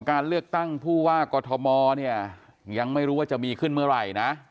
การเลือกตั้งผู้ว่ากอทมเนี่ยยังไม่รู้ว่าจะมีขึ้นเมื่อไหร่นะ